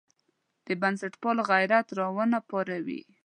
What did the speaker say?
د بنسټپالو غیرت راونه پاروي.